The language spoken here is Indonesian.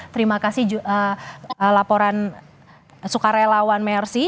terima kasih laporan sukarelawan mercy